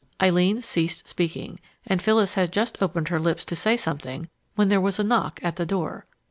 Eileen ceased speaking, and Phyllis had just opened her lips to say something when there was a knock at the door.